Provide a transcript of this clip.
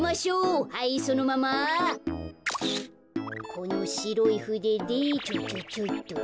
このしろいふででチョチョチョイと。